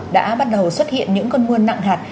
đã bắt đầu xuất hiện những cơn mưa nặng hạt